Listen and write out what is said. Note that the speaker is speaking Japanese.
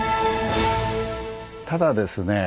ただですね